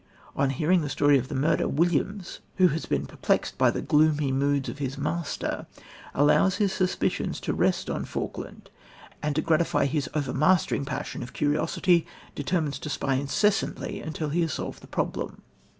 On hearing the story of the murder, Williams, who has been perplexed by the gloomy moods of his master, allows his suspicions to rest on Falkland, and to gratify his overmastering passion of curiosity determines to spy incessantly until he has solved the problem.